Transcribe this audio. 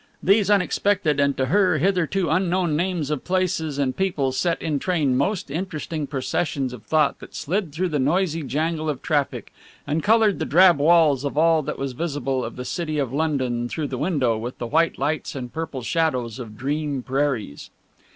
These unexpected and, to her, hitherto unknown names of places and people set in train most interesting processions of thought that slid through the noisy jangle of traffic, and coloured the drab walls of all that was visible of the City of London through the window with the white lights and purple shadows of dream prairies.